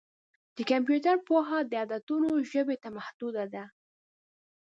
د کمپیوټر پوهه د عددونو ژبې ته محدوده ده.